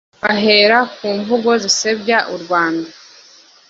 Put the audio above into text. bahera ku mvugo zisebya u Rwanda